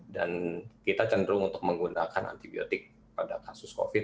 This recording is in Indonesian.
dan kita cenderung untuk menggunakan antibiotik pada kasus covid sembilan belas